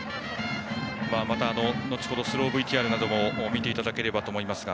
また後程スローＶＴＲなども見ていただければと思いますが。